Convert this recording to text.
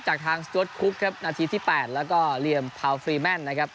จากทางสกวดคุกครับนาทีที่๘แล้วก็เหลี่ยมพาวฟรีแมนนะครับ